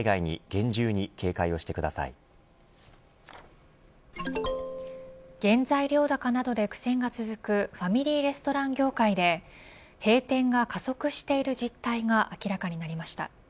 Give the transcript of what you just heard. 原材料高などで苦戦が続くファミリーレストラン業界で閉店が加速している実態が明らかになりました。